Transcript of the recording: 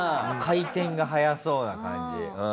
回転が速そうな感じ。